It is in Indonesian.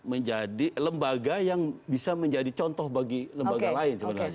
menjadi lembaga yang bisa menjadi contoh bagi lembaga lain sebenarnya